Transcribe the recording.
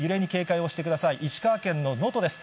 石川県の能登です。